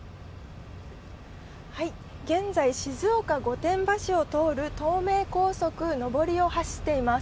現在、静岡・御殿場市を通る東名高速・上りを走っています。